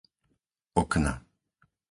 Okna